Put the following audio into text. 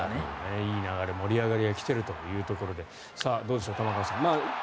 いい流れ、盛り上がりが来ているというところでどうでしょう、玉川さん。